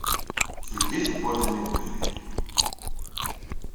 Teldi tewwurt-nni n deffir.